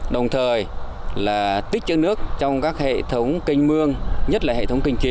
đồng thời là tích chữa nước trong các hệ thống kinh mương nhất là hệ thống kinh chiến